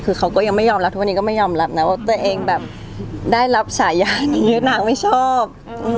คือเขาก็ยังไม่ยอมรับทุกวันนี้ก็ไม่ยอมรับนะว่าตัวเองแบบได้รับฉายานี้นางไม่ชอบ